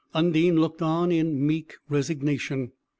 Undine looked on, in meek resignation.